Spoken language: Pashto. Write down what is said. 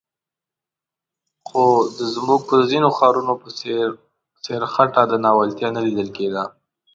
خو د زموږ د ځینو ښارونو په څېر خټه او ناولتیا نه لیدل کېده.